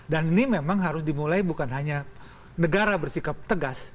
dan ini memang harus dimulai bukan hanya negara bersikap tegas